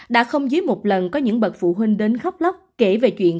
đã không dí một lần có những bậc phụ huynh đến khóc lóc kể về chuyện